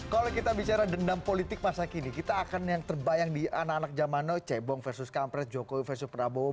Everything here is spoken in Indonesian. kalau kita bicara dendam politik masa kini kita akan yang terbayang di anak anak zaman now cebong versus kampret jokowi versus prabowo